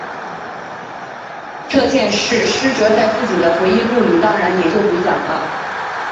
这件事师哲在自己的回忆录里当然也就不讲了。